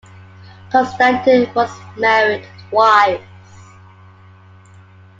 Konstantin was married twice.